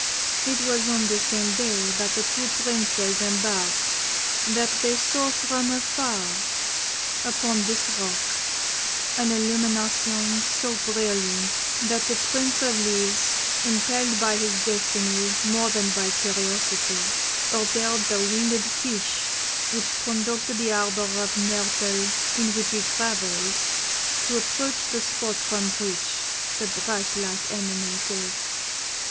"It was on the same day that the two princes embarked that they saw from afar, upon this rock, an illumination so brilliant, that the Prince of Leaves, impelled by his destiny more than by curiosity, ordered the winged fish which conducted the arbour of myrtle in which he travelled, to approach the spot from which the bright light emanated.